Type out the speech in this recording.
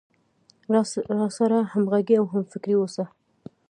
راسره همغږى او هم فکره اوسي.